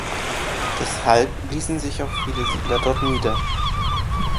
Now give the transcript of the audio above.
Deshalb ließen sich auch viele Siedler dort nieder.